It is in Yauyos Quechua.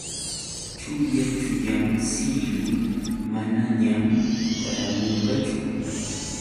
Chuya chuyam siylu. Manañam paramunqachu.